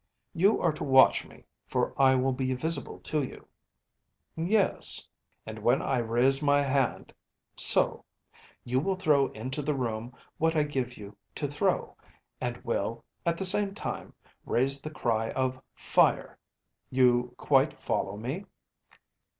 ‚ÄĚ “You are to watch me, for I will be visible to you.‚ÄĚ ‚ÄúYes.‚ÄĚ “And when I raise my hand‚ÄĒso‚ÄĒyou will throw into the room what I give you to throw, and will, at the same time, raise the cry of fire. You quite follow me?